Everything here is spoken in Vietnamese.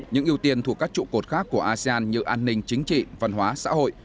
những ưu tiên thuộc các trụ cột khác của asean như an ninh chính trị văn hóa xã hội